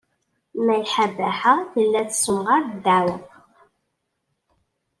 Malḥa Baḥa tella tessemɣar ddeɛwa.